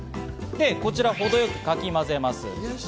こちら、程よくかき混ぜます。